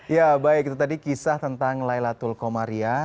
ya baik itu tadi kisah tentang laila tulkomaria